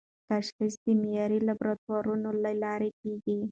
تشخیص د معیاري لابراتوارونو له لارې کېږي.